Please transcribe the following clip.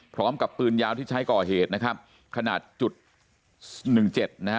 พร้อมกับปืนยาวที่ใช้ก่อเหตุนะครับขนาดจุดหนึ่งเจ็ดนะฮะ